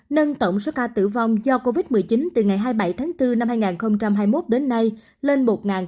nâng tổng số ca tử vong do covid một mươi chín từ ngày hai mươi bảy tháng bốn năm hai nghìn hai mươi một đến nay lên một ba